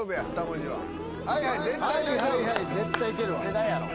世代やろ。